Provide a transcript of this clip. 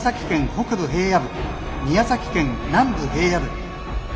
北部平野部宮崎県南部平野部。